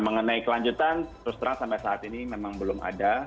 mengenai kelanjutan terus terang sampai saat ini memang belum ada